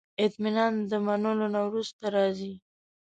اطمینان د منلو نه وروسته راځي.